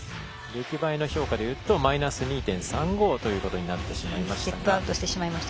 出来栄えの評価で言いますとマイナス２．３５という評価になってしまいました。